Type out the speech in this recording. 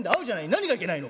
何がいけないの？」。